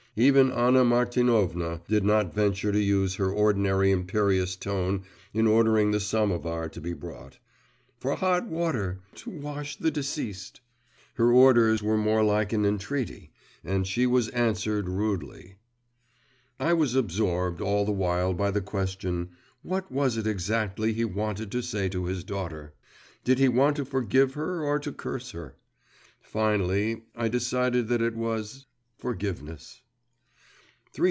Even Anna Martinovna did not venture to use her ordinary imperious tone in ordering the samovar to be brought, 'for hot water, to wash the deceased.' Her orders were more like an entreaty, and she was answered rudely.… I was absorbed all the while by the question, What was it exactly he wanted to say to his daughter? Did he want to forgive her or to curse her? Finally I decided that it was forgiveness.